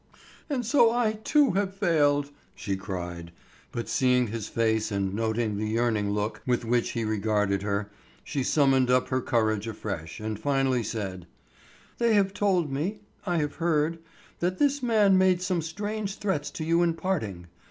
"And so I too have failed," she cried; but seeing his face and noting the yearning look with which he regarded her, she summoned up her courage afresh and finally said: "They have told me—I have heard—that this man made some strange threats to you in parting.